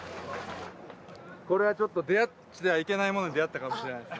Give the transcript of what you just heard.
これはちょっと出会っちゃいけないものに出会ったかもしれないですね。